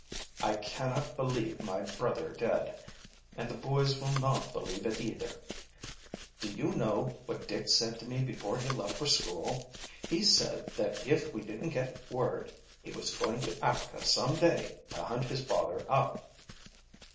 "I cannot believe my brother dead, and the boys will not believe it either. Do you know what Dick said to me before he left for school? He said, that if we didn't get word he was going to Africa some day to hunt his father up."